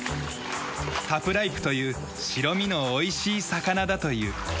タプライプという白身のおいしい魚だという。